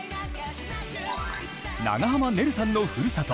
長濱ねるさんのふるさと